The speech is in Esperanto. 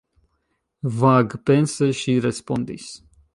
Vagpense ŝi respondis: